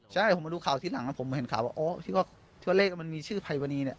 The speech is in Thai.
ใช่ผมมาดูข่าวที่หลังผมเห็นข่าวว่าอ๋อที่ว่าเลขมันมีชื่อภัยวนีเนี่ย